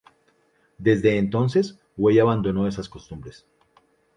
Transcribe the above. Desde entonces Way abandonó esas costumbres.